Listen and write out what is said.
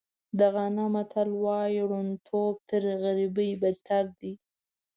د غانا متل وایي ړوندتوب تر غریبۍ بدتر دی.